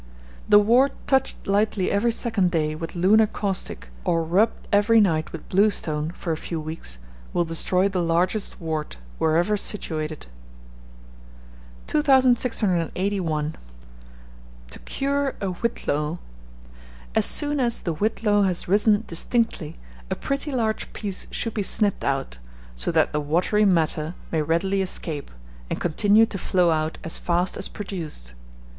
The wart touched lightly every second day with lunar caustic, or rubbed every night with blue stone, for a few weeks, will destroy the largest wart, wherever situated. 2681. To CURE A WHITLOW. As soon as the whitlow has risen distinctly, a pretty large piece should be snipped out, so that the watery matter may readily escape, and continue to flow out as fast as produced.